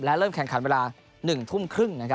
และเริ่มแข่งขันเวลา๑๓๐น